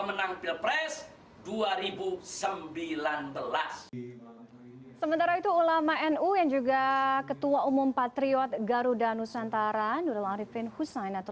menang pilpres dua ribu sembilan belas sementara itu ulama nu yang juga ketua umum patriot garuda nusantara nurul arifin hussain atau